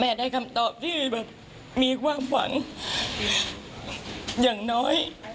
ได้คำตอบที่แบบมีความฝันอย่างน้อย